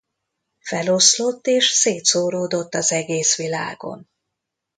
Feloszlott és szétszóródott az egész világon.